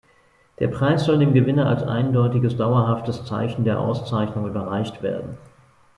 Der Preis soll dem Gewinner als eindeutiges dauerhaftes Zeichen der Auszeichnung überreicht werden.